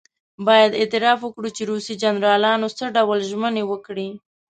باید اعتراف وکړو چې روسي جنرالانو څه ډول ژمنې وکړې.